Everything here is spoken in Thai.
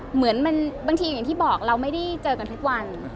เหมือนบางทีอย่างที่บอกเราไม่ได้เจอกันทุกวัน